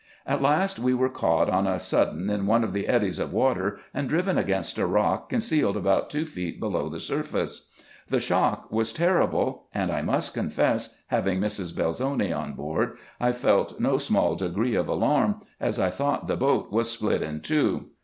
At last we were caught on a sudden in one of the eddies of water, and driven against a rock concealed about two feet below the surface. The shock was terrible ; and I must confess, having Mrs. Belzoni on board, I felt no small degree of alarm, as I thought the boat was split in two.